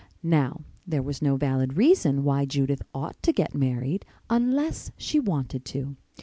Now, there was no valid reason why Judith ought to get married unless she wanted to.